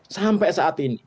sampai saat ini